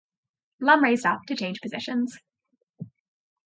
Lum raised up to change positions.